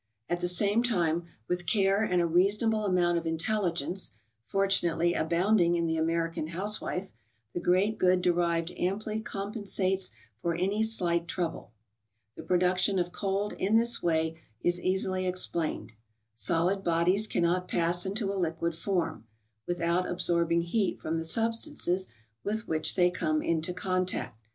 At the same time with care and a reasonable amount of intelligence —fortunately abounding in the American housewife—the great good derived amply compensates for any slight trouble. The production of cold in this way is easily ex¬ plained : solid bodies cannot pass into a liquid form, with¬ out absorbing heat from the substances with which they come into contact.